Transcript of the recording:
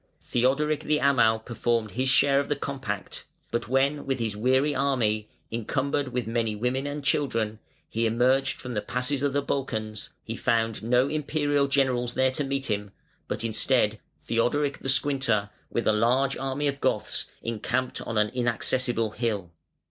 Theodoric the Amal performed his share of the compact; but when with his weary army, encumbered with many women and children, he emerged from the passes of the Balkans he found no Imperial generals there to meet him, but, instead, Theodoric the Squinter with a large army of Goths encamped on an inaccessible hill.